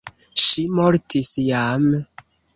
Ŝi mortis jam.